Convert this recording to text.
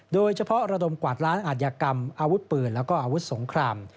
ระดมกวาดล้างอาทยากรรมอาวุธปืนและอาวุธสงคราม